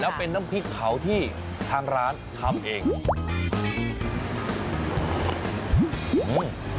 แล้วเป็นน้ำพริกเผาที่ทางร้านทำเอง